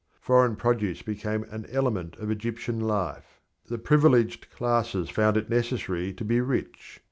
Foreign produce became an element of Egyptian life. The privileged classes found it necessary to be rich.